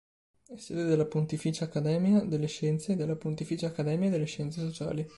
È sede della Pontificia Accademia delle Scienze e della Pontificia Accademia delle Scienze Sociali.